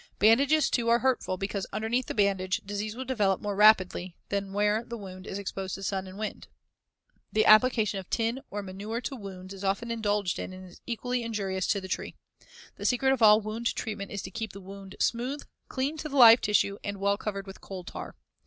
Bandages, too, are hurtful because, underneath the bandage, disease will develop more rapidly than where the wound is exposed to the sun and wind. The application of tin or manure to wounds is often indulged in and is equally injurious to the tree. The secret of all wound treatment is to keep the wound smooth, clean to the live tissue, and well covered with coal tar.